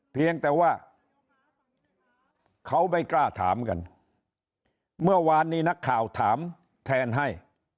เพียงแต่ว่าเขาไม่กล้าถามกันเมื่อวานนี้นักข่าวถามแทนให้